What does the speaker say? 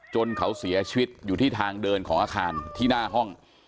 จนเขาเสียชีวิตอยู่ที่ทางเดินของอาคารที่หน้าห้อง